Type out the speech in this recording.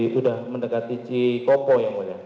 sudah mendekati cikopo yang mulia